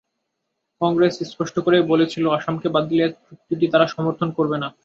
কংগ্রেস স্পষ্ট করেই বলেছিল, আসামকে বাদ দিলে চুক্তিটি তারা সমর্থন করবে না।